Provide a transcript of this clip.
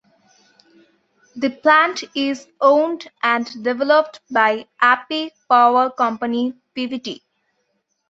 The plant is owned and developed by Api Power Company Pvt.